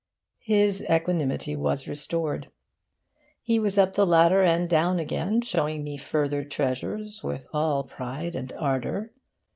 His equanimity was restored. He was up the ladder and down again, showing me further treasures with all pride and ardour.